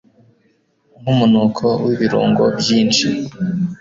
Nkumunuko w ibirungo byinshi